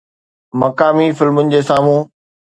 مقامي فلمن جي سامهون